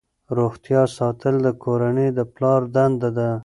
روغتیا ساتل د کورنۍ د پلار دنده ده.